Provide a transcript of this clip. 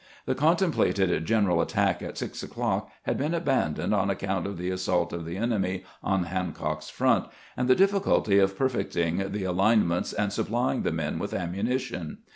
The contemplated general attack at six o'clock had been abandoned on account of the assault of the enemy on Hancock's front, and the difficulty of perfecting the alinements and supplying the men with ammunition.